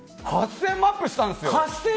８０００円もアップしたんすよ。